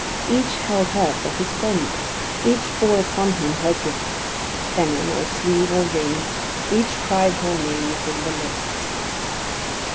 Each held her for his friend. Each bore upon him her gift pennon, or sleeve, or ring. Each cried her name within the lists.